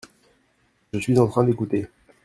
Je suis en train d’écouter.